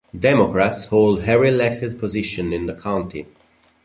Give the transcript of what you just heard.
Democrats hold every elected position in the county.